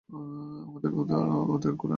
আমরা ওদের ঘোড়া নিয়ে যেতে দিতে পারি না!